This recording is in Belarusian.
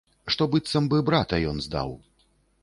Што быццам бы брата ён здаў.